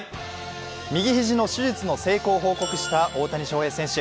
右肘の手術の成功を報告した大谷翔平選手。